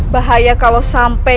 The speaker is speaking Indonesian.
bahaya kalau sampai